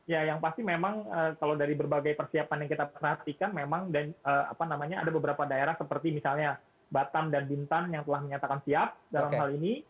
ya yang pasti memang kalau dari berbagai persiapan yang kita perhatikan memang ada beberapa daerah seperti misalnya batam dan bintan yang telah menyatakan siap dalam hal ini